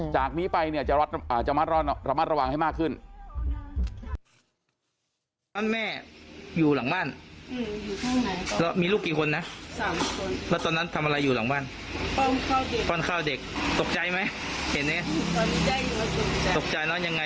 จากนี้ไปเนี่ยจะระมัดระวังให้มากขึ้น